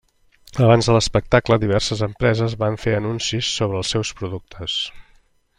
Abans de l'espectacle, diverses empreses van fer anuncis sobre els seus productes.